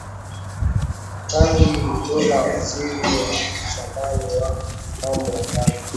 Kangi Lugola Waziri wa zamani wa Mambo ya Ndani